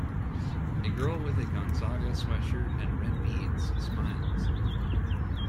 A girl with a Gonzaga sweatshirt and red beads smiles